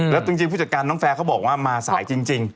แล้วจริงผู้จัดการน้องแฟร์เขาบอกว่ามาสายจริง